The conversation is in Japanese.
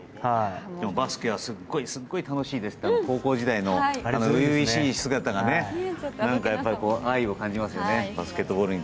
バスケはすごい楽しいですという初々しい姿が愛を感じますよね。